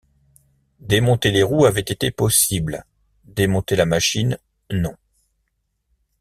Démonter les roues avait été possible ; démonter la machine, non.